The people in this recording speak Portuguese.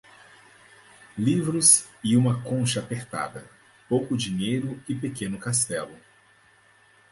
Livros e uma concha apertada, pouco dinheiro e pequeno castelo.